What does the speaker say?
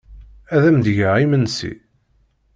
Ad am-d-geɣ imensi?